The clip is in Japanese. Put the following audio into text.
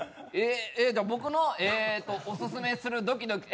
僕のオススメのドキドキえ？